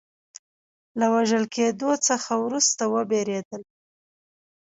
له وژل کېدلو څخه وروسته وبېرېدل.